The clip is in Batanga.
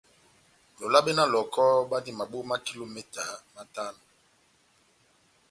Lolabe na Lɔhɔkɔ bandi maboma kilometa matano.